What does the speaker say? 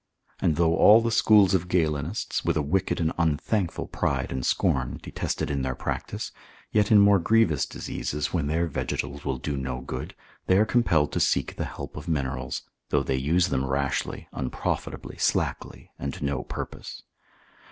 And though all the schools of Galenists, with a wicked and unthankful pride and scorn, detest it in their practice, yet in more grievous diseases, when their vegetals will do no good, they are compelled to seek the help of minerals, though they use them rashly, unprofitably, slackly, and to no purpose.